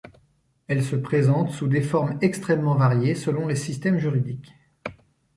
Elle se présente sous des formes extrêmement variées selon les systèmes juridiques.